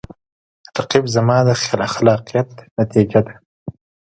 رقیب زما د خلاقیت نتیجه ده